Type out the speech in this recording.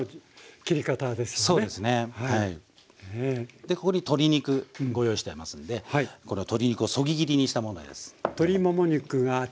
でここに鶏肉ご用意してありますんでこれは鶏肉をそぎ切りにしたものです。